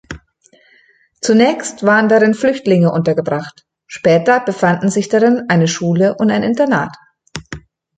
Zunächst waren darin Flüchtlinge untergebracht, später befanden sich darin eine Schule und ein Internat.